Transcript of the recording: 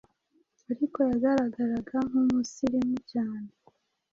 ariko yagaragaraga nk’umusirimu cyane